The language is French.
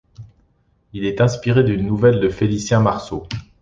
Il est inspiré d'une nouvelle de Félicien Marceau.